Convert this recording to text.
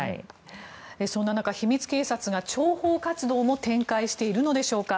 そんな中秘密警察が諜報活動も展開しているのでしょうか。